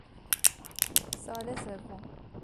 سال سوم